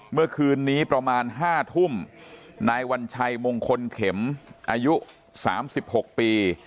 เมื่อคืนนี้ประมาณ๕ทุ่มนายวัญชัยมงคลเข็มอายุ๓๖ปี